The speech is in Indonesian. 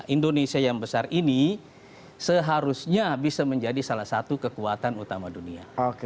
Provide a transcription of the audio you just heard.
indonesia yang besar ini seharusnya bisa menjadi salah satu kekuatan utama dunia